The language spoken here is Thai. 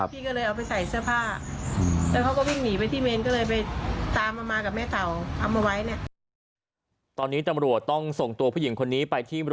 พี่ก็เลยเอาไปใส่เสื้อผ้าแล้วเขาก็วิ่งหนีไปที่เมน